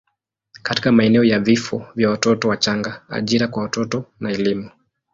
katika maeneo ya vifo vya watoto wachanga, ajira kwa watoto na elimu.